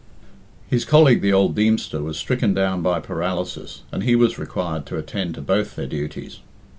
His colleague, the old Deemster, was stricken down by paralysis, and he was required to attend to both their duties.